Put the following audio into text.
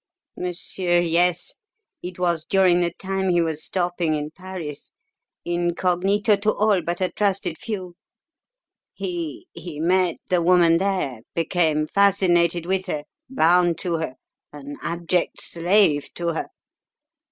"Monsieur, yes! It was during the time he was stopping in Paris incognito to all but a trusted few. He he met the woman there, became fascinated with her bound to her an abject slave to her."